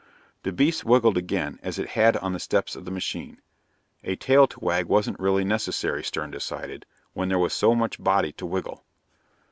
The beast wiggled again as it had on the steps of the machine. A tail to wag wasn't really necessary, Stern decided, when there was so much body to wiggle.